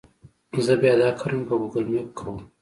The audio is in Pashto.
زه بیا دا کارونه په ګوګل مېپ کوم.